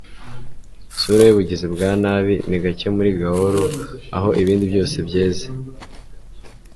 Isura yubugizi bwa nabi ni gake muri gaol aho ibindi byose byeze